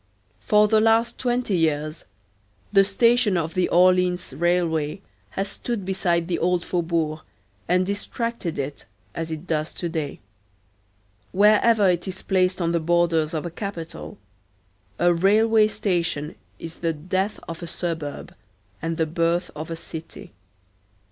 For the last twenty years the station of the Orleans railway has stood beside the old faubourg and distracted it, as it does to day. Wherever it is placed on the borders of a capital, a railway station is the death of a suburb and the birth of a city.